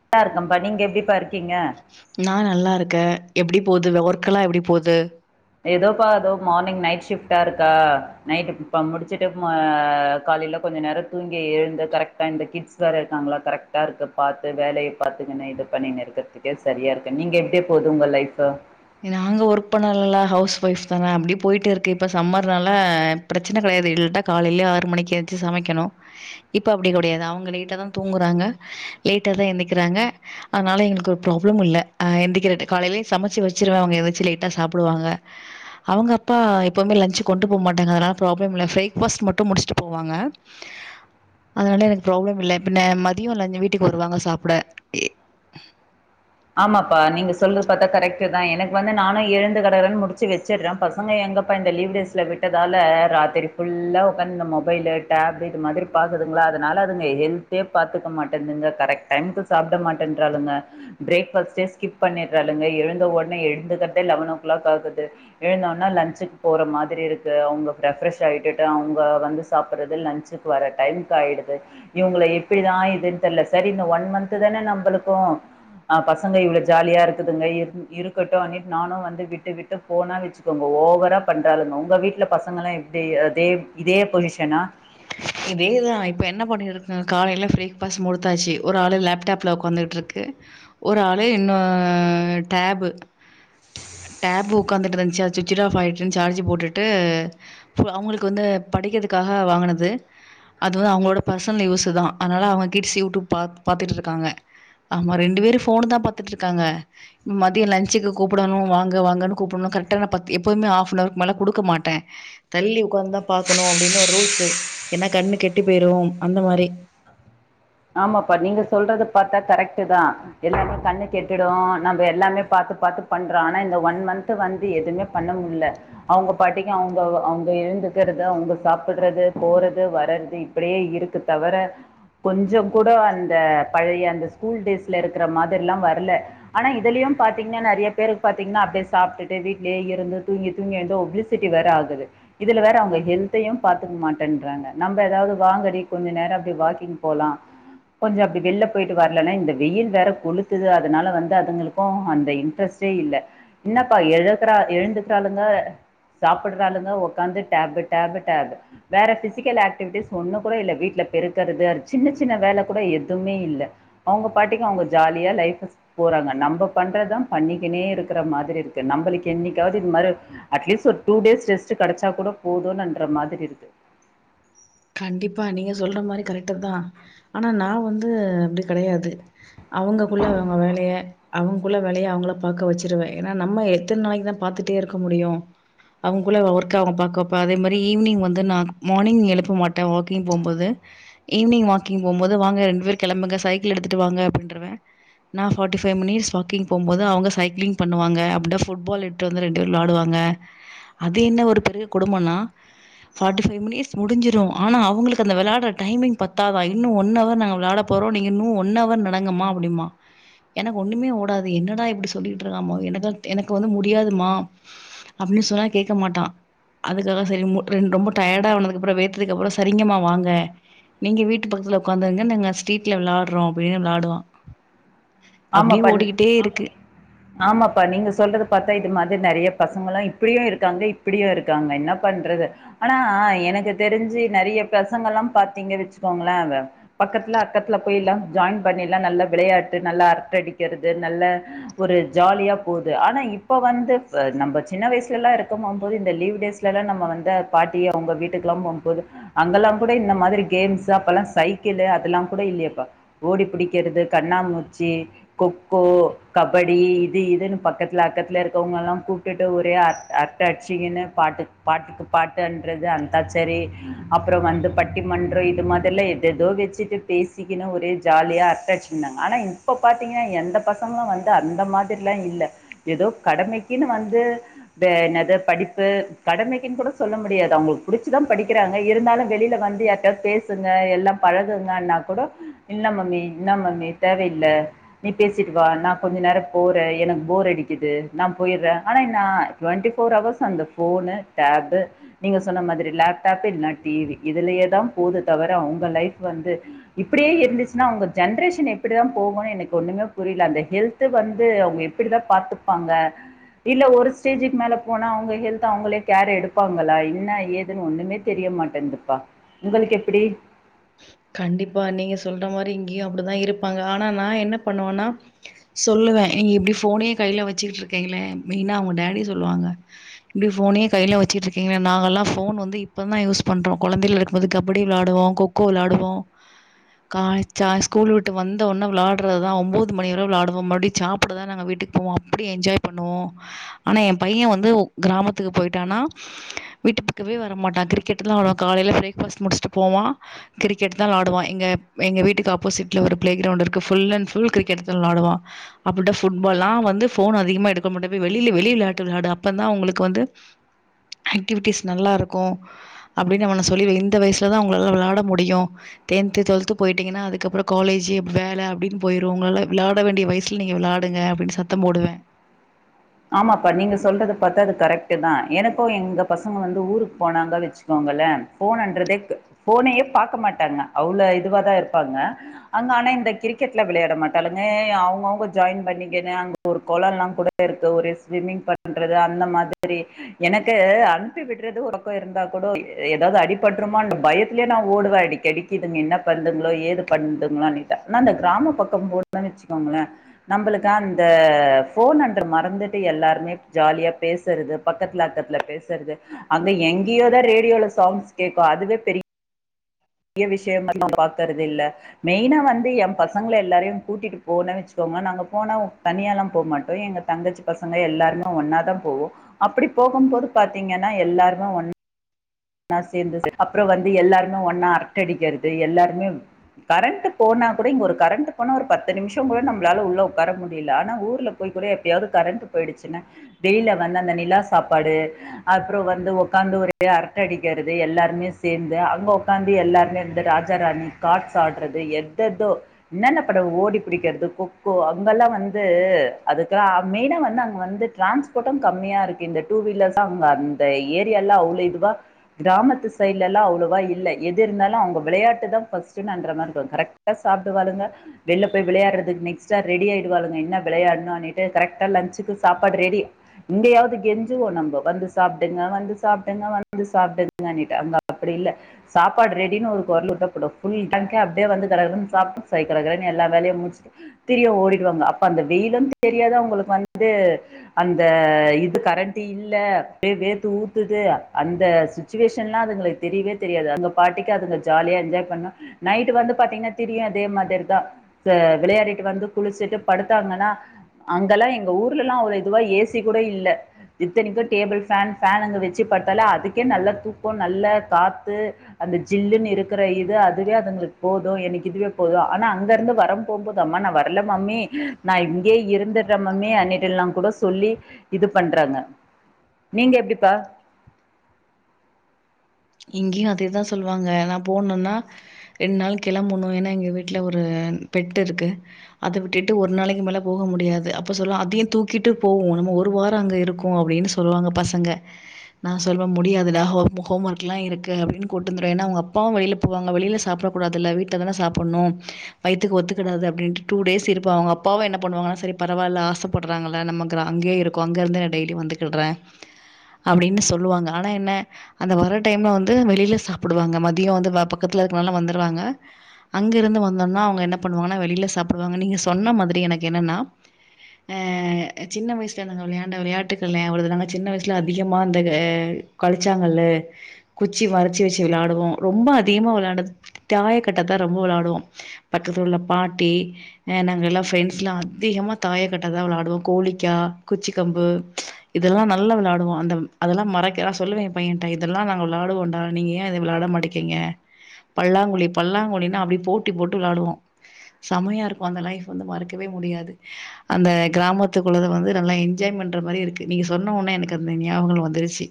நல்லா இருக்கப்பா நீங்க எப்படிப்பா இருக்க நான் நல்லா இருக்கேன் எப்டி போது ஒர்க்கெல்லாம் எப்டி போது ஏதோபா இதோ மார்னிங் நைட் ஷிப்டா இருக்கா நைட் ப்ப முடிச்சிட்டு ஆஹ் காலைல கொஞ்ச நேரம் தூங்கி எழுந்து கரெக்டா இந்த கிட்ஸ் வேற இருக்காங்களா கரெக்டா இருக்கு பாத்து வேலையை பாத்துங்க இது பண்ணி னு இருக்குறதுக்கே சரியா இருக்கு நீங்க எப்படியே போகுது உங்க லைஃப் நாங்க ஒர்க் பண்ணதெல்லாம் ஹவுஸ் ஒய்ஃப் தாங்க அப்படியே போயிட்டு இருக்கு இப்ப சம்மர்னால பிரச்சனை கெடையாது இல்ல காலையிலயே ஆறு மணிக்கு எழுந்ச்சு சமைக்கணும் இப்ப அப்படி கொடையாது அவங்க லேட்டா தான் தூங்குறாங்க லேட்டா தான் எழுந்திரிக்கிறாங்க அதனால எங்களுக்கு ஒரு ப்ராப்ளமும் இல்ல எழுந்திரிக்கரது காலையிலே சமைச்சு வச்சு வச்சிடுவாங்கா ஏதாச்சும் லேட்டா சாப்புடுவாங்க அவங்க அப்பா எப்பவுமே லஞ்ச் கொண்டு போக மாட்டாங்க அதனால ப்ராப்ளமே இல்ல பிரேக்ஃபாஸ்ட் மட்டும் முடிச்சுட்டு போவாங்க அதனால எனக்கு ப்ராப்ளம் இல்ல பின்ன மதியம் லஞ்ச் வீட்டுக்கு வருவாங்க சாப்பிட ஆமாப்பா நீங்க சொல்றது பார்த்தா கரெக்ட் தான் எனக்கு வந்து நானும் எழுந்து கட கடனு முடிச்சு வச்சுடுறேன் பசங்க எங்கப்பா லீவ் டேஸ்ல விட்டதால ராத்திரி புல்லா உட்கார்ந்து இந்த மொபைலு டேபு இது மாதிரி பாக்குதுங்களா அதனால னால அதுங்க ஹெல்தே பாத்துக்க மாட்டேதுங்க கரெக்ட் டைமுக்கு சாப்ட மாட்டேன்றாளுங்க பிரேக்ஃபஸ்டே ஸ்கிப் பண்ணிடுறாளுங்க எழுந்த உடனே எழுந்துகறதே லெவன் ஓ கிளாக் ஆகுது எழுந்தோன லன்ஞ்க்கு போற மாதிரி இருக்கு அவங்க ரெப்ரஷ் ஆகிட்டு அவங்க வந்து சாப்டறது லஞ்சுக்கு வர டைம் [unintelligible] ஆயிடுது இவங்கள எப்படிதா இதுன்னு தெரியல சரி இந்த ஒன் மந்த்த் தான நம்மளுக்கு ஆ பசங்க இவ்ளோ ஜாலியா இருக்குதுங்க இரு இருக்கட்டு அது மேரி நானு வந்து விட்டு விட்டு போனா வச்சுக்கோங்க ஓ ஓவரா பண்றாளுங்க உங்க வீட்டுல பசங்கலா எப்டி அதே இதே பொசிஷனா இதேதா இப்போ என்ன பண்ணிருக்கனு காலையில ப்ரேக்ஃபாஸ்ட் முடுத்தாச்சு ஒரு ஆளு லேப்டாப்பில உக்காந்துட்டுருக்கு ஒரு ஆளு இன்னு டேபு டேப் உக்காந்துட்ருந்துச்சு அது சுவிட்ச்சிடு ஆப் ஆயிடுச்சினு சார்ஜ் போட்டுட்டு அவங்களுக்கு வந்து படிக்கிறதுக்காக வாங்குன து அது வந்து அவங்களோட பர்சனல் யூஸ்சு தா அதனால அவங்க கிட்ஸ் யூட்டூப் பாத் பாத்துட்ருக்காங்க ஆமா ரெண்டு பேரு போனு தா பாத்துட்ருக்காங்க மதிய லஞ்சுக்கு கூப்புடணு வாங்க வாங்கன்னு கூப்புடணு கரெக்ட்ட்டானா பத்தி எப்பவுமே ஹாஃப் நவர் க்கு மேல குடுக்க மாட்டே தள்ளி உக்காந்துதா பாக்கணு அப்டின்னு ஒரு ரூல்ஸ்சு இருக் ஏன்னா கண்ணு கெட்டு பேய்யிரு அந்த மாரி ஆமாப்பா நீங்க சொல்றது பாத்தா கரெக்டு தா எல்லாமே கண்ணு கெட்டுடு நம்ம எல்லாமே பாத் த்து பாத்து பண்றோ ஆனா இந்த ஒன் மந்த் வந்து எதுவுமே பண்ண முல அவங்க பாட்டிக்கு அவங்க அவங்க எழுந்துக்கறது அவங்க சாப்புடறது போறது வர்றது இப்படியே இருக்கு தவர கொஞ்ச கூட அந்த பழைய அந்த ஸ்கூல் டேஸ்ல இருக்கிற மாதிரில்லா வரல ஆனா இதுலயு பா பாத்தீங்கன்னா நெறைய பேருக்கு பாத்தீங்கன்னா அப்டியே சாப்டுட்டு வீட்டுலயே இருந்து தூங்கி தூங்கி வந்து ஒப்ளிசிட்டி வேற ஆகுது இதுல வேற அவங்க ஹெல்தையு பாத்துக்க மாட்டேன்றாங்க நம்ம ஏதாவது வாங்கடி கொஞ்ச நேர அப்டி வாக்கிங் போலா கொஞ்ச அப்டி வெளில போயிட்டு வரலன்னா இந்த வெயில் வேற கொளுத்துது அதனால வந்து அதுங்களுக்கு அந்த இன்ட்ரெஸ்ட் சே இல்ல என்னப்பா எழுக்கறா எழுந்துக்கறாளுங்க சாப்புறாளுங்க உட்காந்து டேபு டேபு டேபு வேற பிசிக்கல் ஆக்டிவிட்டிஸ் ஒன்னு கூட இல்ல வீட்ல பெருக்குறது அர் சின்ன சின்ன வேல கூட எதுவுமே இல்ல அவங்க பாட்டிக்கு அவங்க ஜாலியா லைஃப்ஸ் போறாங்க நம்ம பண்ண றதா பண்ணிக்கினே இருக்குற மாரி இருக்கு நம்மளுக்கு என்னிக்காவது இது மாரி அட்லீஸ் ஒரு டூ டேஸ் ரெஸ்ட்டு கெ கடைச்சா கூட போதும்னு அன்ற மாதிரி இருக்கு கண்டிப்பா நீங்க சொல்ற மாரி கரெக்ட்டு தா ஆனா நா வந்து அப்டி கெடையாது அவங்ககுள்ள அவங்க வேலய அவங்ககுள்ள வேலய அவங்கள பாக்க வச்சுருவே ஏன்னா நம்ம எத்தன நாளைக்கு தா பாத்துட்டு இருக்க முடியு அவங்க குள்ள ஒர்க் அ அவங்க பாக்க வப்ப அதே மாதிரி ஈவினிங் வந்து நா மார்னிங் எழு மாட்ட வாக்கிங் போம்போது ஈவினிங் வாக்கிங் போம் போது வாங்க ரெண்டு பேர் கெளம்புங்க சைக்கிள் எடுத்துட்டு வாங்க அப்படின் விட்ருவே நா ஃபாட்டி பைவ் மினிட்ஸ் வாக்கிங் போம் போது அவங்க சைக்ளிங் பண்ணுவாங்க அப்ற ஃபுட்பால் எடுத்ட்டு வந்து ரெண்டு பேர் விளாடுவாங்க அது என்ன ஒரு பெரிய கொடுமனா ஃபார்ட்டி பைவ் மினிட்ஸ் முடிஞ்சு ஜு ஆனா அவங்களுக்கு அந்த விளாடுற டைமிங் பத்தா தான் இன்னு ஒன் அவர் நாங்க விளாட போறோம் நீங்க இன்னு ஒன் அவர் நடங்க மா மா அப்படிமா எனக்கு ஒண்ணுமே ஓடாது என்னடா இப்படி சொல்லிட்டு இருக்காமோ எனக்கு எனக்கு வந்து முடியாதுமா அப்படின்னு சொன்னா கேக்க மாட்டா அதுக்காக சரி ரெ ரொம்ப டயர்டானதுக்கு அப்புற வே கதுக்கப்பற சரிங்கமா வாங்க நீங்க வீட்டு பக்கத்துல உக்காந்துருங்க நாங்க ஸ்ட்ரீட்ல விளாடுறோ அப்டின்னு விளாடுவா ஆமாப்பன் ஆமாப்பா நீங்க சொல்றது பாத்தா மாதிரி நெறைய பசங்களு இப்டியு இருக்காங்க இப்டியு இருக்காங்க என்ன பண்றது ஆனா எனக்கு தெ தெரிஞ்சு நெறைய பெசங்கல்லா பாத்தீங்க வச்சுக்கோங்களே பக்கத்துல அக்கத்துல போய் எல்லா ஜாயின் பண்ணி ல்லா நல்ல விளையாட்டு நல்லா அர்ட்டடிக்கிறது நல்ல ஒரு ஜாலியா போகுது ஆனா இப்ப வந்து அ நம்ம சின் ன வயசுலல்லா இருக்கம்போம் போது இந்த லீவ டேஸ்லலா நம்ம வந்து பாட்டி அவங்க வீட்டுக்குெல்லா போம்போது அங்கெல்லா அப்படே இந்த மாரி கேம்ஸ்சு அப்பல்லா சைக்கிள் அதெல்லா கூட இல்லையப்பா ஓடி பிடிக்கிறது கண்ணாமூ ச்சி கொக்கோ கபடி இது இதுன்னு பக்கத்துல அக்கத்துல இருக்கவங்கல்லா கூப்ட்டுட்டு ஒரே அர்த் அர்த்த அடிச்சிங்கன்னு பாட்டு பாட்டுக்கு பாட்டுன்றது அந்தா சரி அப்புற வந்து பட்டி மண்ற இது மாதிரல்லா எத ஏதோ வச்சுட்டு பேசிக்கனு ஒரே ஜாலியா அர்ட்டாசின்னாங்க ஆனா இப்ப பாத்தீங்கன்னா எந்த பசங்களு வந்து அந்த மாதிரில்லா இல்ல ஏதோ கடமைக்குன்னு வந்து து என்னது படிப்பு கடமைக்குன் கூட சொல்ல முடியாது அவுங்குளுக்கு பிடிச்சுதா படிக்கிறாங்க இருந்தாலு வெளில வந்து யார்ட்யாவது பேசுங்க எல்லா பழகுங்கனா கூட இல்ல மம்மி இன்ன மம்மி தேவையில் ல நீ பேசிட்டு வா நா கொஞ்ச நேர போற எனக்கு போர் அடிக்குது நா போயிர்ற ஆனா என்னா டுவெண்டி ஃபோர் அவர்ஸ் அந்த ஃபோனு டேபு நீங்க சொன்ன மாதிரி லேப்டாப் இல்னா டி வி இதா இதுலயே தா போது தவிர அவுங்க லைஃப் வந்து இப்படியே இருந்துச்சுனா அவுங்க ஜென்ரேஷன் எப்டி தா போகுனு எனக்கு ஒண்ணுமே புரில அந்த ஹெல்த்து வந்து அவுங்க எப்பிடிதா பாத்துப்பாங்க இல்ல ஒரு ஸ்டேஜுக்கு மேல போனா அவுங்க ஹெல்த் அவுங்களே கேர் எடுப்பாங்களா என்ன ஏதுனு ஒண்ணுமே தெரிய மாட்டேங்துப்பா உங்களுக்கு எப்பிடி கண்டிப்பா நீங்க சொல்ற மாரி இங்கயு அப்டிதா இருப்பாங்க ஆனா நா என்ன பண்ணுவனா சொல் லுவ ஏங் இப்டி ஃபோனயே கைல வச்சுட்ருக்கிங்களே மெய்னா அவுங்க டேடி சொல்வாங்க இப்டி ஃபோனயே கை ல வச்சுட்ருக்கிங்ளே நாங்கலா ஃபோன் வந்து இப்பதா யூஸ் பண்றோம் கொழந்தைல இருக்கும்போது கபடி விளாடுவோ கொக்கோ விளாடு வோ கா சா ஸ்கூல் விட்டு வந்த உடன விளாடுறதுதா ஒம்போது மணி வர விளாடுவோ மறுபடி சாப்பிடதா நாங்க வீட்டுக் கு போவோ அப்பிடி என்ஜாய் பண்ணுவோ ஆனா எம் பைய வந்து கிராமத்துக்கு போய்ட்டானா வீட்டு பக்கமே வர மாட்டா கிரிக்கெட்தா அவ காலைல பிரேக்ஃபாஸ்ட் முடிச்ட்டு போவா கிரிக்கெட்தா விளாடுவா எங்க எங்க வீட்டுக்கு ஆப்போசிட்ல ஒரு ப்ளே கிரவுண்ட் இருக்கு ஃபுல் அன் ஃபுல் கிரிக்கெட்தா விளாடுவா அப்பட்ட ஃபுட்பால்லா வந்து ஃபோன் அதிகமா எடுக்க மாட்டே போய் வெளில வெளி விளாட்டு விளாடு அப்ப தா உங்களுக்கு வந்து ஆக்டிவிட்டிஸ் நல்லா இருக்கு அப்படினு அவன சொல்லி வை இந்த வயசுல தா உங்களால விளாட முடியு டென்த்து டுவெல்த் போயிட்டிங்கனா அதுக்கப்புற காலேஜு வேல அப்டினு போயுரு உங்களால விளாட வேண்டிய வயசுல நீங்க விளாடுங்க அப்படினு சத்தம் போடுவே [inaudible] ஆமாப்பா நீங்க சொல்றது பாத்தா அது கரெக்ட் தா எனக்கு எங்க பசங்க வந்து ஊருக்கு போனாங்க வச்சுக்கோங் களே ஃபோனன்றதே ஃபோனையே பாக்க மாட்டாங்க அவ்ளோ இதுவா தா இருப்பாங்க அங்க ஆ னா இந்த கிரிக்கெட்லா விளையாட மாட்டாளுங்க அவுங்கவுங்க ஜாயின் பண்ணிகினு அங்க ஒரு கொளலா கூட இருக் கு ஒரு ஸ்விம்மிங் பண்றது அந்த மாதிரி எனக்கு அனுப்பி விடுறது ஒருக்க இருந்தா கோட எதாது அடிபட்ருமான் பயத்துலயே நா ஓடுவே அடிக்கடிக்கு இதுங்க என்ன பண்ணுங்ளோ ஏது பண்டுங்ளோனு ஆனா அந்த கிராம பக்கம் போனோன் வச்சுக்கோங்ளே நம்புளுக்கு அந்த ஃபோன் அண் மறந்துட்டு எல்லாருமே ஜாலியா பேசறது பக்கத்துல அக்கத்துல பேசறது அங்க எங்கயோ தா ரேடியோல சாங்ஸ் கேக்கு அதுவே பெரி ய விஷயமா நா பாக்கறதில்ல மெய்னா வந்து எம் பசங்கள எல்லாரையு கூட்டிட்டு போன வச்சுக்கோ நாங்க போன தனியாலா போ மாட்டோ எங்க தங்கச்சி பசங்க எல்லாருமே ஒண்ணா தா போவோ அப்பிடி போ கும்போது பாத்திங்கனா எல்லாருமே ஒண் ணா சேந்துசு அப்புற வந்து எல்லாருமே ஒன்னா அரட்ட அடிக்கிறது எல்லாருமே கரண்ட் போ னா கூட இங்க ஒரு கரண்ட் போன ஒரு பத்து நிமிஷங்கூட நம்மளால உள்ள உக்கார முடில ஆனா ஊர்ல போய் கூட எப்பயாது கரண்ட் போயிடுச்சுனா வெளில வந்து அந்த நிலா சாப்பாடு அப்புற வந்து உக்காந்து ஒரே அர ட்டை அடிக்கிறது எல்லாருமே சேந்து அங்க உக்காந்து எல்லாருமே வந்து ராஜா ராணி கார்ட்ஸ் ஆடறது எ தெதோ என்னன்ன பட ஓடி பிடிக்கிறது கொக்கோ அங்கெல்லா வந்து அதுக்கலா மெய்னா வந்து அங்க வந்து டிரான்ஸ்போர்ட்டு கம்மியா இருக்கு இந்த டூ வீலர்ஸ் அங்க அந்த ஏரியால அவ்ளோ இதுவா கிராமத்து சைடுல எல்லா அவ்ளவா இல்ல எதிருந்தாலு அவுங்க விளையாட்டுதா ஃபர்ஸ்ட் னன்ற மாருக்கு கரெக்டா சாப்டுவாளுங்க வெளில போய் விளையாடுறதுக்கு நெக்ஸ்ட் ஆ ரெடி ஆய்டுவாளுங்க என்ன விளையாடுனன்ட்டு கரெக்டா லன் சுக்கு சாப்பாடு ரெடி இங்கயாது கெஞ்சுவோ நம்ப வந்து சாப்டுங்க வந்து சாப்டுங்க வந் து சாப்டுங்கனிட்டு அங்க அப்படி இல்ல சாப்பாடு ரெடினு ஒரு கொரல் விட்டா போடு ஃபுல் கேங்கே அப்டியே வந்து கடகடன் சாப்ட்டு சரி கடகடன் எல்லா வேலையு முடிச்ட்டு திரியு ஓடிடுவாங்க அப்ப அந்த வெயிலுந் தெரியாது அவுங்களுக் வந்து அந்த இது கரண்ட்டு இல்ல வே வேத்து ஊத்துது அந்த சுச்சுவேஷன்லா அதுங்களுக்கு தெரியவே தெரியாது அங்க பாட்டிக்கு அதுங்க ஜாலியா என்ஜாய் பண்ணு நைட் வந்து பாத்திங்னா திரியு அதே மாதிரி தா விளையாடிட்டு வந்து குளிச்சுட்டு படுத்தாங்கனா அங்க லா எங்க ஊர்லலா அவ்ள இதுவா ஏ சி கூட இல்ல இத்தனிக்கு டேபிள் ஃபேன் ஃபேன் அங்க வச்சு படு தாலே அதுக்கே நல்ல தூக்க நல்ல காத்து அந்த ஜில்லுன்னு இருக்கிற இது அதுவே அதுங்களுக் போது எனக்கு இதுவே போது ஆனா அங்க இருந்து வரம் போம் போது அம்மா நா வரல மம்மி நா இங்கயே இருந்தர் ற மம்மி அன்னைக்கெல்லாங் கூட சொல்லி இது பண்றாங்க நீங்க எப்டிப்பா இங்கியும் அதேதா சொல்வாங்க நா போனுன்னா ரெண்நாள் கெளம்பணும் ஏன்னா எங்க வீட்ல ஒரு பெட் இருக்கு அத விட்டுட்டு ஒரு நாளைக்கு மேல போக முடியாது அப்ப சொல்லு அதயும் தூக்கிட்டு போவோ ஒரு வார அங்க இருக்கும் அப்படின்னு சொல்லுவாங்க பசங்க நா சொல்வ முடியாதுடா ஹோம் ஒர்க் லா இருக்கு அப்படின்னு கூட்வந்துருவேன் ஏன்னா அவங்க அப்பாவும் வெளில போவாங்க வெளில சாப்பிட கூடதுல்ல வீட்ல தான சாப்புட்ணும் வயித்துக்கு ஒத்துக்கடாது அப்படின்ட்டு டூ டேஸ் இருப்பா அவங்க அப்பாவும் என்ன பண்ணுவான்னா சரி பரவால்ல ஆசப்படுறாங்கள நம்ம கிராம ங்கேருக்கோ அங்க இருந்து டெய்லி வந்துட்டுருக்குறே அப்படின்னு சொல்லுவாங்க ஆனா என்ன அந்த வறட் டைம்ல வந்து வெளியில சாப்பிடுவாங்க மதிய வந்து பக்கத்தில இருக்கதால வந்துருவாங்க அங்க இருந்து வந்தோனா அவங்க என்ன பண்ணுவாங்கனா வெளியில சாப்பிடுவாங்க நீங்க சொன்ன மாதிரி எனக்கு என்னன்னா அ சின்ன வயசுல நாங்க விளையாண்ட விளையாட்டுகள்ல்ல அவளது நாங்க சின்ன வயசுல அதிகமா அந்த கழிச்சாங்கல்லு குச்சி வரச்சி வச்சு விளையாடுவோ ரொம்ப அதிகமா விளையாடு தாய கட்ட தா ரொம்ப வெளையாடுவோ பக் தத்துல உள்ள பாட்டி நாங்க எல்லா ஃப்ரெண்ட்ஸ்லா அதிகமாக தாய கட்ட தா வெளயாடுவோ கோழிக்கா குச்சி கம்பு இதெல்லா நல்லா விளையாடுவோ அந்த அதெல்லா மறக்கா சொல்லுவே எ பையன்ட இதெல்லா நா வெளாடுவோண்டா நீங்க ஏ அத வெளாட மாட்டிக்கீங்க பல்லாங்குழி பல்லாங்குழினா அப்படி போட்டி போட்டு வெளாடுவோ செம்மையா இருக்கு அந்த லைஃப் வந்து மறக்கவே முடியாது அந்த கிராமத்துக்குள்ளத வந்து நல்லா என்ஜாய் பண்ற மாரி இருக்கு நீங்க சொன்ன ஒனே எனக்கு அந்த ஞாபக வந்துருச்சு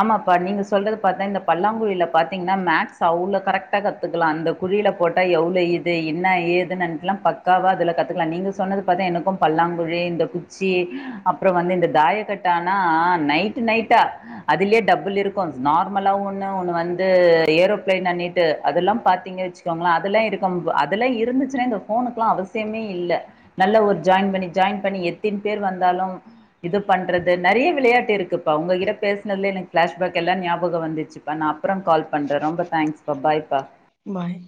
ஆமாப்பா நீங்க சொல்றது பாத்தா இந்த பல்லாங்குழில பாத்தீங்னா மேக்ஸ் அவ்ளோ கரெக்டா கத்துக்கலா அந்த கு ழில போட்டா எவ்ளோ ஈசி என்ன ஏதுன்னுல பக்காவா அதுல கத்துக்கலா நீங்க சொன்னது பாத்தா எனக்கும் பல்லாங் குழி இந்த குச்சி அப்றோ வந்து இந்த தாயக்கட்டானா நைட்டு நைட்டா அதுலே டபுள் இருக்கு நார்மலா ஒண்ணு ஒண்ணு வந்து ஏரோப்பிளைன் அண்ணிட்டு அதெல்லா பாத்தீங்க வச்சுகோங்களே அதெல்லா இருக்கம் அதெல்லா இருந்துச்சு இந்த போனுகுலா அவசியமே இல்ல நல்ல ஒரு ஜாயின் பண்ணி ஜாயின் பண்ணி எத்தின் பேர் வந்தாலும் இது பண்றது நெறைய விளையாட்டு இருக்குப்பா உங்ககிட்ட பேச அது எனக்கு கிளாஷ்பாக் எல்லா ஞாபக வந்துச்சுப்பா நா அப்புற கால் பண்றே ரொம்ப தேங்க்ஸ் பா பாய் பா பாய்